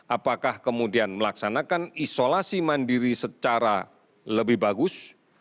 apakah kemudian melaksanakan isolasi mandiri secara lebih bagus